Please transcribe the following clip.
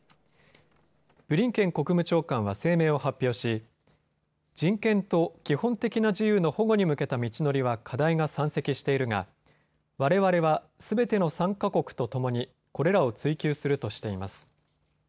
ブリンケン国務長官は声明を発表し、人権と基本的な自由の保護に向けた道のりは課題が山積しているがわれわれは、すべての参加国とともに、これらを追求するとしています。